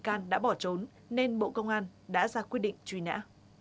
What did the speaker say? cơ quan điều tra bộ công an đã bỏ trốn nên bộ công an đã ra quyết định trùy nã